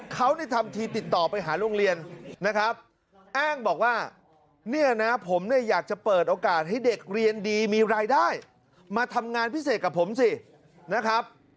เขาเนี่ยทำทีติดต่อไปหาโรงเรียนนะครับอ้างบอกว่าเนี่ยนะผมเนี่ยอยากจะเปิดโอกาสให้เด็กเรียนดีมีรายได้มาทำงานพิเศษกับผมสินะครับ